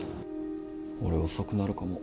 俺遅くなるかも。